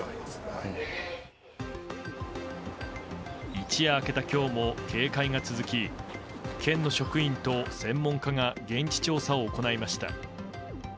一夜明けた今日も警戒が続き県の職員と専門家が現地調査を行いました。